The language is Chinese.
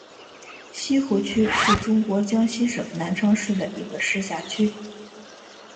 西湖区是中国江西省南昌市的一个市辖区。